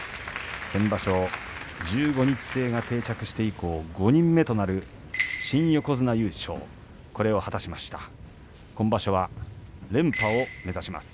先場所、１５日制が定着して以降５人目となる新横綱優勝これを果たしました。